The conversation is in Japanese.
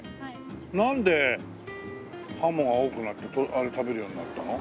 なんでハモが多くなって食べるようになったの？